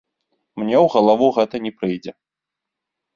Мне ў галаву гэта не прыйдзе.